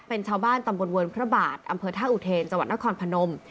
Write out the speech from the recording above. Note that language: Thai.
เป็นชาวบ้านตำบลเวิร์นพระบาทอำเภอท่าอุเทนจังหวัดนครพนม